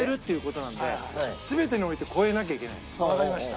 わかりました。